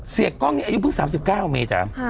เสียกล้องนี้อายุเพิ่ง๓๙เมธา